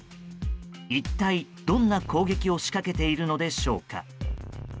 一体、どんな攻撃を仕掛けているのでしょうか。